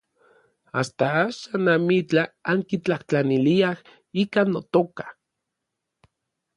Asta axan amitlaj ankitlajtlaniliaj ika notoka.